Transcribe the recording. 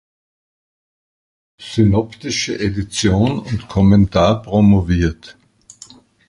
Synoptische Edition und Kommentar" promoviert.